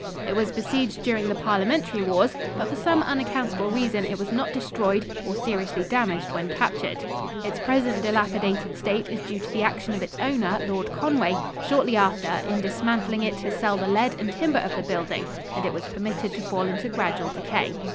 It was besieged during the Parliamentary wars, but for some unaccountable reason it was not destroyed or seriously damaged when captured. Its present dilapidated state is due to the action of its owner, Lord Conway, shortly after, in dismantling it to sell the lead and timber of the building, and it was permitted to fall into gradual decay.